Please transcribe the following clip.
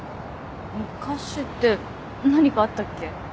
昔って何かあったっけ？